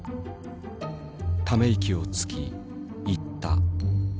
ため息をつき言った。